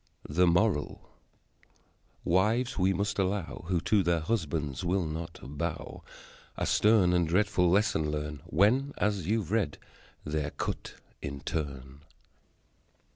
The Moral: Wives, we must allow, Who to their husbands will not bow, A stern and dreadful lesson learn When, as you've read, they're cut in turn.